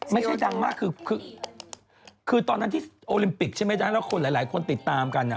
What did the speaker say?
ไม่ใช่ดังมากคือคือตอนนั้นที่โอลิมปิกใช่ไหมดังแล้วคนหลายคนติดตามกันอ่ะ